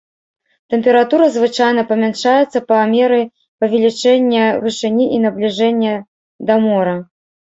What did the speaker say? Тэмпература звычайна памяншаецца па меры павелічэння вышыні і набліжэння да мора.